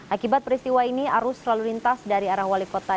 akibat peristiwa ini arus lalu lintas dari arah wali kota